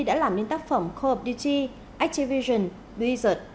đã làm nên tác phẩm call of duty activision blizzard